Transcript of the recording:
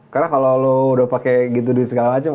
karena kalau lo udah pake gitu gitu segala macem